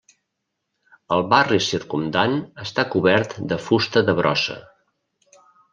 El barri circumdant està cobert de fusta de brossa.